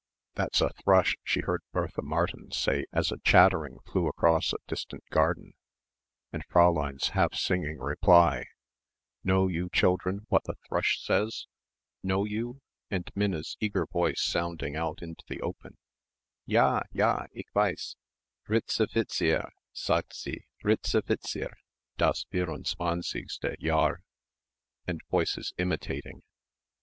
"That's a thrush," she heard Bertha Martin say as a chattering flew across a distant garden and Fräulein's half singing reply, "Know you, children, what the thrush says? Know you?" and Minna's eager voice sounding out into the open, "D'ja, d'ja, ich weiss Ritzifizier, sagt sie, Ritzifizier, das vierundzwanzigste Jahr!" and voices imitating.